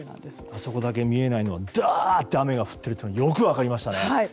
あそこだけ見えないのはダーッと雨が降ってるんだとよく分かりましたね。